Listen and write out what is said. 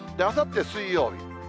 あさって水曜日。